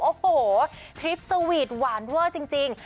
โอ้โหทริปสวีทหวานเวอร์จริง